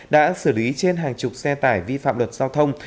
đã xử lý trên hàng chục xe tải vi phạm luật giao thông